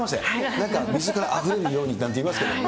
なんか水があふれるようになんて言いますけど。